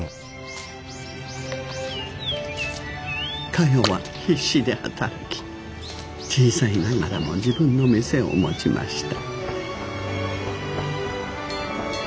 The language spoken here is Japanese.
かよは必死で働き小さいながらも自分の店を持ちました。